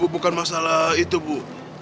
bukan masalah itu bu